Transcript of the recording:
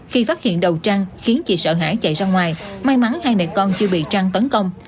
khi phát hiện đầu trang khiến chị sợ hãi chạy ra ngoài may mắn hai mẹ con chưa bị trăng tấn công